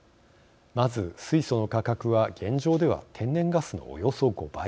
まず水素の価格は現状では天然ガスのおよそ５倍。